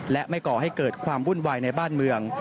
และไม่ก่อให้เกิดความวุ่นวายในบ้านเมือง